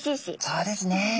そうですね。